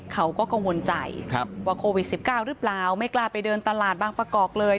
เขาก็กังวลใจว่าโควิด๑๙หรือเปล่าไม่กล้าไปเดินตลาดบางประกอบเลย